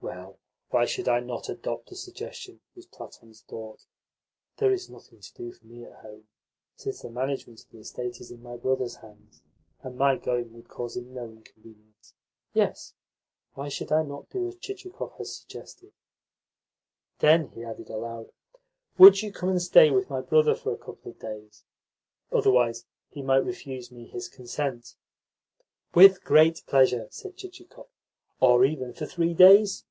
"Well, why should I not adopt the suggestion?" was Platon's thought. "There is nothing for me to do at home, since the management of the estate is in my brother's hands, and my going would cause him no inconvenience. Yes, why should I not do as Chichikov has suggested?" Then he added aloud: "Would you come and stay with my brother for a couple of days? Otherwise he might refuse me his consent." "With great pleasure," said Chichikov. "Or even for three days."